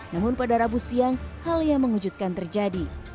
namun pada rabu siang hal yang mengejutkan terjadi